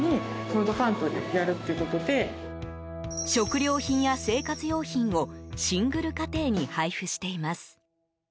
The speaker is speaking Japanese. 食料品や生活用品をシングル家庭に配布しています。